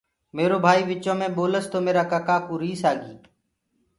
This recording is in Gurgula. ميرو ڀآئيٚ وچو مي ٻولس تو ميرآ ڪَڪآ ڪوُ ريس آگي۔